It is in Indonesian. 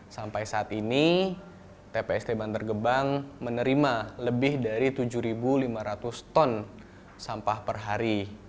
sampai saat ini tpst bantar gebang menerima lebih dari tujuh lima ratus ton sampah per hari